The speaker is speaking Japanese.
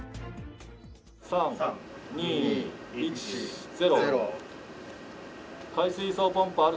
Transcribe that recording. ３、２、１、０。